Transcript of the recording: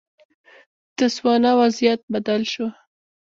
د تسوانا وضعیت بدل شو.